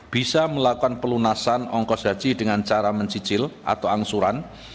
bisa melakukan pelunasan ongkos haji dengan cara mencicil atau angsuran